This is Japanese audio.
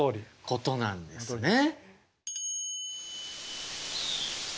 ことなんですね。